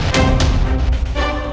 ya aku mau